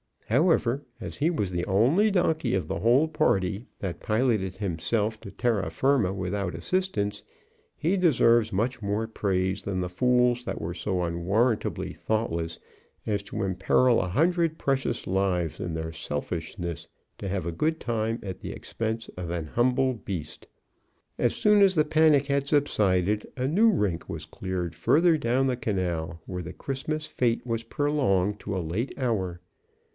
However, as he was the only donkey of the whole party that piloted himself to terra firma without assistance, he deserves much more praise than the fools that were so unwarrantably thoughtless as to imperil a hundred precious lives in their selfishness to have a good time at the expense of an humble beast. As soon as the panic had subsided, a new rink was cleared further down the canal, where the Christmas fete was prolonged to a late hour.